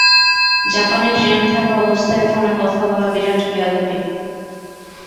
জাপানে ট্রেনে থাকা অবস্থায় ফোনে কথা বলা বিরাট বেয়াদবি।